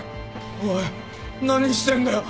おい何してんだよ。